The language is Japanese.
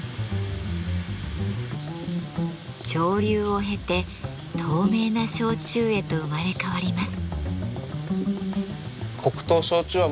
蒸留を経て透明な焼酎へと生まれ変わります。